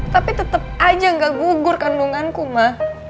tapi tetep aja nggak gugur kandunganku ma